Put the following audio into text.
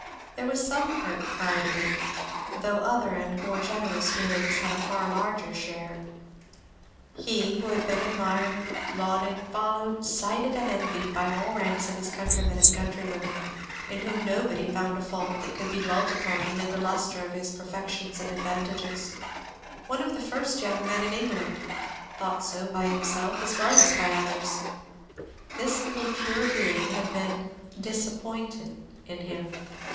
There was some hurt pride in it, though other and more generous feelings had a far larger share. He, who had been admired, lauded, followed, cited, and envied, by all ranks of his countrymen and countrywomen; in whom nobody found a fault that could be dwelt upon amid the lustre of his perfections and advantages; one of the first young men in England, thought so by himself as well as by others; this little pure being had been disappointed in him.